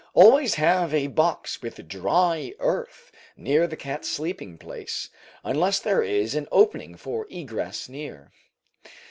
Always have a box with dry earth near the cat's sleeping place, unless there is an opening for egress near.